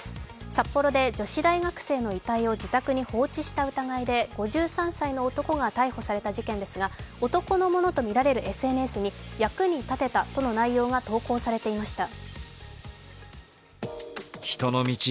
札幌で女子大学生の遺体を自宅に放置した疑いで５３歳の男が逮捕された事件ですが男のものとみられるＳＮＳに、役に立てたとの内容が投稿されていました。